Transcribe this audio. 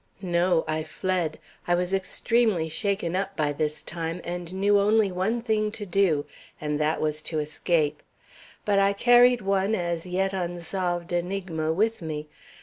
"No, I fled. I was extremely shaken up by this time and knew only one thing to do, and that was to escape. But I carried one as yet unsolved enigma with me.